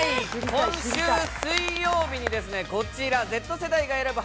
今週水曜日にこちら、「Ｚ世代が選ぶ！